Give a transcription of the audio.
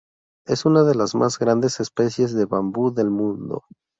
Es una de las más grandes especies de bambú del mundo.